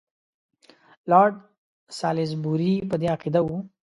لارډ سالیزبوري په دې عقیده وو.